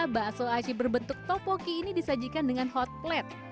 bakso aci berbentuk topoki ini disajikan dengan hot plate